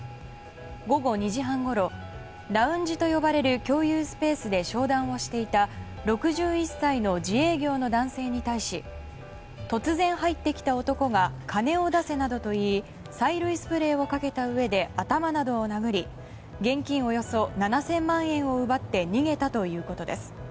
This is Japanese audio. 午後２時半ごろラウンジと呼ばれる共有スペースで商談をしていた６１歳の自営業の男性に対し突然入ってきた男が金を出せなどと言い催涙スプレーをかけたうえで頭などを殴り現金およそ７０００万円を奪って逃げたということです。